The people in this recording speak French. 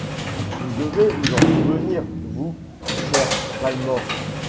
Vous devez vous en souvenir, vous, cher Valmore.